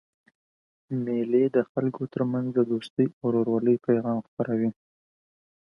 مېلې د خلکو ترمنځ د دوستۍ او ورورولۍ پیغام خپروي.